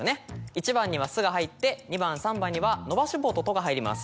１番にはスが入って２番３番には伸ばし棒とトが入ります。